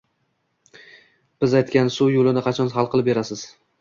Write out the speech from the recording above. Biz aytgan suv yo`lini qachon hal qilib berasiz